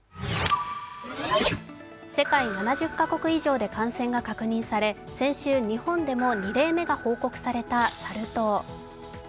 世界７０カ国以上で感染が確認され先週、日本でも２例目が報告されたサル痘。